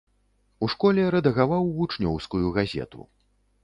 У школе рэдагаваў вучнёўскую газету.